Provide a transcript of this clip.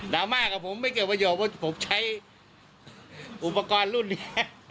ราม่ากับผมไม่เกิดประโยชน์ว่าผมใช้อุปกรณ์รุ่นนี้